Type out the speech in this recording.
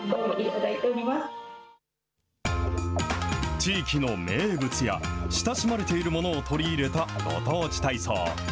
地域の名物や親しまれているものを取り入れたご当地体操。